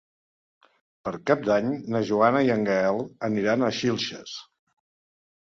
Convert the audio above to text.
Per Cap d'Any na Joana i en Gaël aniran a Xilxes.